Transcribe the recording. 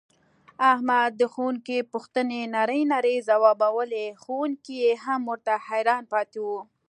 احمد د ښوونکي پوښتنې نرۍ نرۍ ځواوبولې ښوونکی یې هم ورته حیران پاتې و.